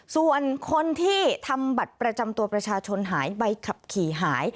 ส่วนคนที่ทำบัตรประจำตัวประชาชนหายใบขับขี่หาย